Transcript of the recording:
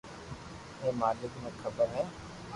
ھي مالڪ ني خبر ھي